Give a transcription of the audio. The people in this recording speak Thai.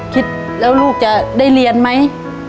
คิดแล้วลูกจะได้เรียนไหม